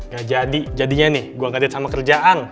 gak jadi jadinya nih gue ngedate sama kerjaan